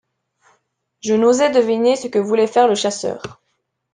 Je n’osais deviner ce que voulait faire le chasseur !